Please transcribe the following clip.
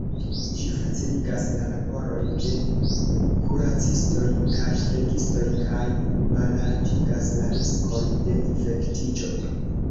Ĝi faciligas la laboron de kuracistoj kaj flegistoj, kaj malaltigas la riskon de infektiĝo.